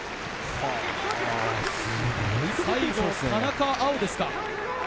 最後は田中碧ですか？